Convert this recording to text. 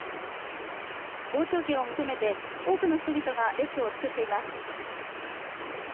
傍聴券を求めて、多くの人々が列を作っています。